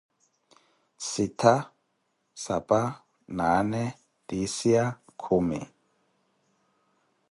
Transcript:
Sittha, spa, naane, tiisiya, kumi.